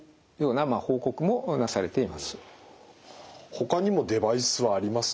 ほかにもデバイスはありますか？